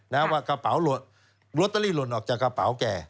นะฮะกระเป๋าหล่นร็อตเตอรี่หล่นออกจากกระเป๋าแก